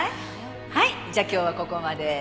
「はいじゃあ今日はここまで」